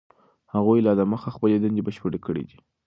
هغوی لا دمخه خپلې دندې بشپړې کړي دي.